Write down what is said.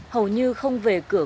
hầu như không về cửa